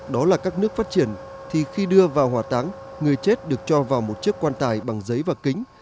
đó là các nước phát triển thì khi đưa vào hòa táng người chết được cho vào một chiếc quan tài bằng giấy và kính